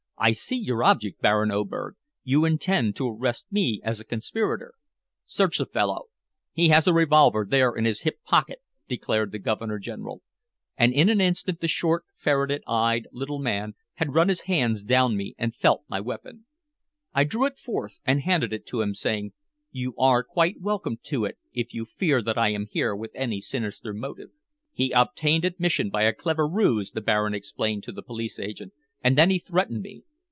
"I see your object, Baron Oberg! You intend to arrest me as a conspirator!" "Search the fellow. He has a revolver there in his hip pocket," declared the Governor General, and in an instant the short, ferret eyed little man had run his hands down me and felt my weapon. I drew it forth and handed it to him, saying: "You are quite welcome to it if you fear that I am here with any sinister motive." "He obtained admission by a clever ruse," the Baron explained to the police agent. "And then he threatened me."